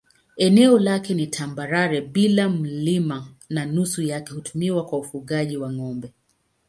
Eneo lake ni tambarare bila milima na nusu yake hutumiwa kwa ufugaji wa ng'ombe.